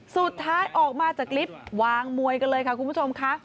สุดท้ายออกมาจากลิฟต์วางมวยกันเลยค่ะคุณผู้ชมค่ะ